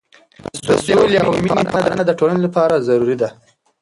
د سولې او مینې پالنه د ټولنې لپاره ضروري ده.